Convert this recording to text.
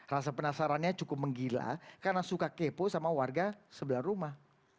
rasa penasarannya cukup menggila karena suka kepo sama warga sebelah rumah